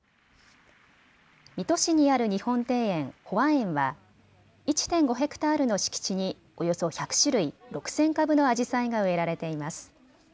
水戸市にある日本庭園、保和苑は１．５ヘクタールの敷地におよそ１００種類、６０００株のあじさいが植えられています。